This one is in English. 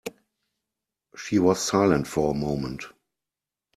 She was silent for a moment.